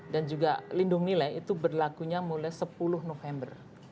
dan juga lindung nilai itu berlakunya mulai sepuluh november